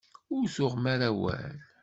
Ur tuɣem ara awal.